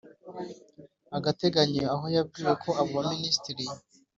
agateganyo aho yabwiwe ko abo Minisiteri